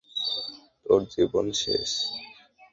তোর জীবন শেষ।